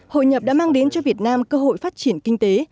hội nhập đã mang đến cho việt nam cơ hội phát triển kinh tế